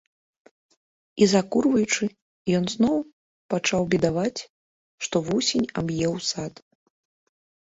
І, закурваючы, ён зноў пачаў бедаваць, што вусень аб'еў сад.